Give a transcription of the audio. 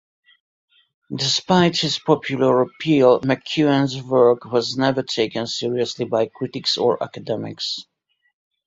Despite his popular appeal, McKuen's work was never taken seriously by critics or academics.